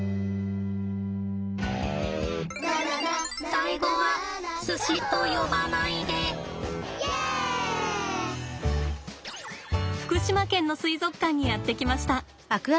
最後は福島県の水族館にやって来ました。